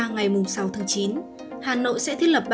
ngày sáu tháng chín hà nội sẽ thiết lập